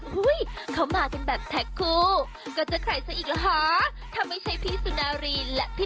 ดูทางงานนี้เหมือนจะมีอะไรเปลี่ยนไป